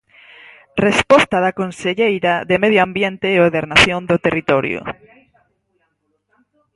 Resposta da conselleira de Medio Ambiente e Ordenación do Territorio.